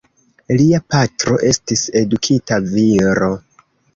Lia patro estis edukita viro.